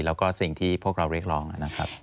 แล้วก็สิ่งที่พวกเราเรียกร้องนะครับ